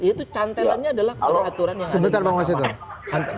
itu cantelannya adalah pada aturan yang ada di makamah